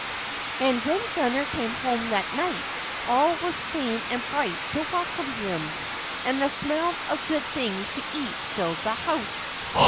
And when Gunner came home that night all was clean and bright to welcome him, and the smell of good things to eat filled the house.